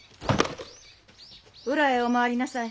裏へお回りなさい。